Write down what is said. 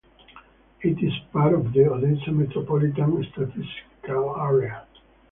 It is part of the Odessa Metropolitan Statistical Area.